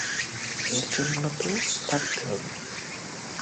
এর জন্য তো থাকতে হবে।